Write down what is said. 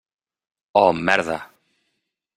Oh, merda.